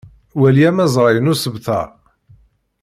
Wali amazray n usebter.